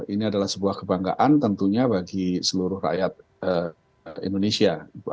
ini adalah sebuah kebanggaan tentunya bagi seluruh rakyat indonesia